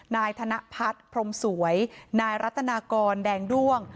นายธนพัฒน์พรมสวยนายรัตนากรแดงด้วง